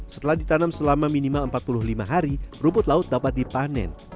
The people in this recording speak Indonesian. setelah ditanam selama minimal empat puluh lima hari rumput laut dapat dipanen